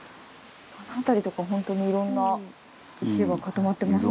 あの辺りとかほんとにいろんな石が固まってますね。